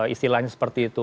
istilahnya seperti itu